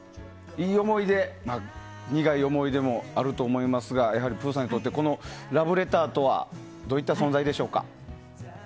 いい思い出、苦い思い出もあると思いますがやはり、ぷぅさんにとってこのラブレターとはどういった存在でしょうか。